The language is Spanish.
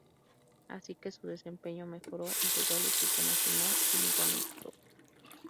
Así que su desempeño mejoró y llegó al equipo nacional en Guangdong.